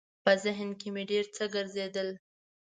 په ذهن کې مې ډېر څه ګرځېدل.